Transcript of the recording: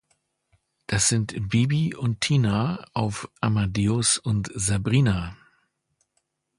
Das sind Bibi und Tina auf Amadeus und Sabrina!